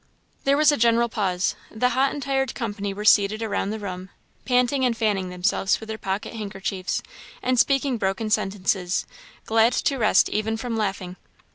There was a general pause. The hot and tired company were seated around the room, panting and fanning themselves with their pocket handkerchiefs, and speaking broken sentences; glad to rest even from laughing.